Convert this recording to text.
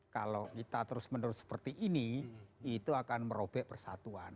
kalau kita terus menerus seperti ini itu akan merobek persatuan